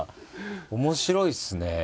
面白いっすね。